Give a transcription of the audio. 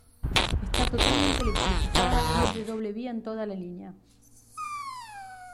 Está totalmente electrificada y es de doble via en toda la línea.